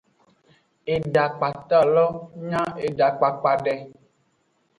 Edakpato lo nya edakpakpa de.